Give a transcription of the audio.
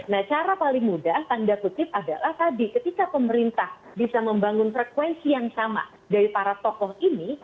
nah cara paling mudah tanda kutip adalah tadi ketika pemerintah bisa membangun frekuensi yang sama dari para tokoh ini